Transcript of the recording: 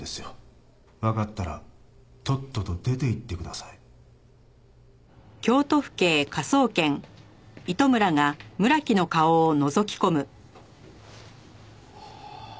わかったらとっとと出ていってください。はあ。